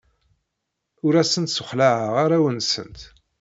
Ur asent-ssexlaɛeɣ arraw-nsent.